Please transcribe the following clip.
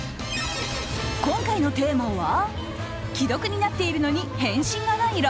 今回のテーマは既読になっているのに返信がない